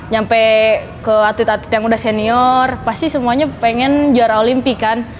nyampe ke atlet atlet yang udah senior pasti semuanya pengen juara olimpi kan